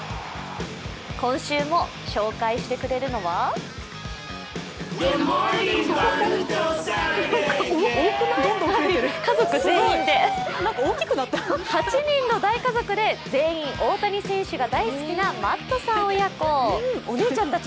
今週も紹介してくれるのは８人の大家族で全員、大谷選手が大好きなマットさん親子。